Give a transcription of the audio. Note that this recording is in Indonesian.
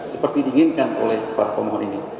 seperti diinginkan oleh para pemohon ini